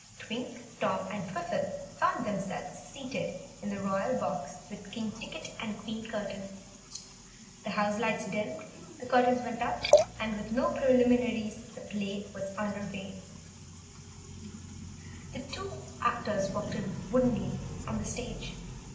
Twink, Tom, and Twiffle found themselves seated in the Royal Box with King Ticket and Queen Curtain. The houselights dimmed, the curtains went up, and with no preliminaries the play was under way. Two actors walked woodenly forward on the stage.